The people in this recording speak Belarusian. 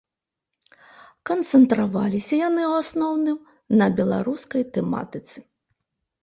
Канцэнтраваліся яны ў асноўным на беларускай тэматыцы.